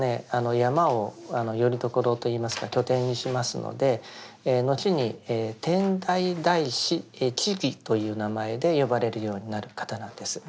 山をよりどころといいますか拠点にしますのでのちに「天台大師智」という名前で呼ばれるようになる方なんです。